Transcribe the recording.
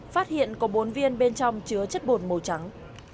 phát hiện có bốn viên bên trong chứa chất bột màu trắng